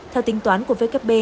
theo tính toán của vkp